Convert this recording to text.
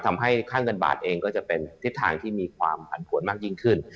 ทำให้ค่าเงินบาทเองก็จะเป็นทิศทางที่มีความผันผวนมากยิ่งขึ้น